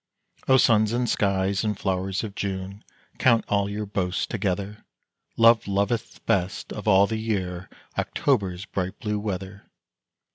O suns and skies and flowers of June, Count all your boasts together, Love loveth best of all the year October's bright blue weather.